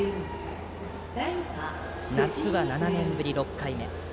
夏は７年ぶり６回目。